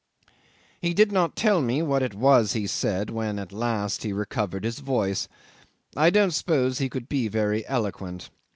'He did not tell me what it was he said when at last he recovered his voice. I don't suppose he could be very eloquent.